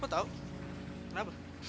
gue tau kenapa